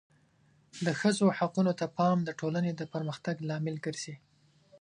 د ښځو حقونو ته پام د ټولنې د پرمختګ لامل ګرځي.